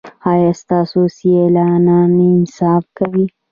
ایا ستاسو سیالان انصاف کوي؟